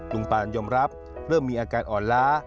ปานยอมรับเริ่มมีอาการอ่อนล้า